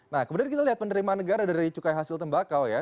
nah kemudian kita lihat penerimaan negara dari cukai hasil tembakau ya